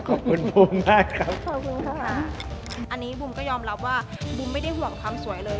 ขอบคุณค่ะค่ะอันนี้บุ้มก็ยอมรับว่าบุ้มไม่ได้ห่วงความสวยเลย